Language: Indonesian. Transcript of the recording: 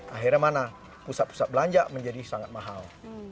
akhirnya mana pusat pusat belanja menjadi sangat mahal